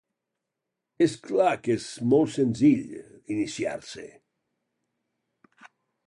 És clar que és molt senzill, iniciar-se.